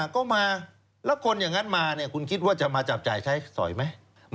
ก็มาแล้วคนอย่างนั้นมาคุณคิดว่าจะมาจับจ่ายใช้สอยไหม